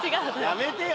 やめてよ！